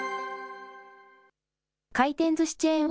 回転ずしチェーン